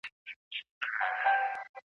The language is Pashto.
د مال په ګټلو کي تقوا اختيار کړئ.